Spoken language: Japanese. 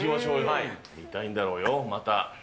見たいんだろうよ、また。